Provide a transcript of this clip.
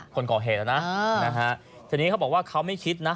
คนก่อเหตุนะทีนี้เขาบอกว่าเขาไม่คิดนะ